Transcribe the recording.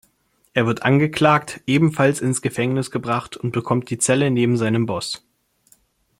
Er wird angeklagt, ebenfalls ins Gefängnis gebracht und bekommt die Zelle neben seinem Boss.